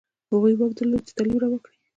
هغوی واک درلود چې تعلیم روا کړي.